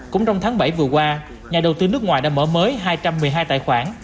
cũng trong tháng bảy vừa qua nhà đầu tư nước ngoài đã mở mới hai trăm một mươi hai tài khoản